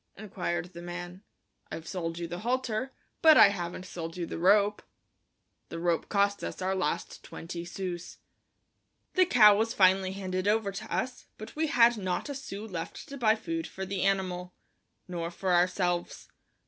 inquired the man. "I've sold you the halter, but I haven't sold you the rope." The rope cost us our last twenty sous. The cow was finally handed over to us, but we had not a sou left to buy food for the animal, nor for ourselves.